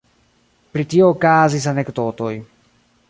Pri tio okazis anekdotoj.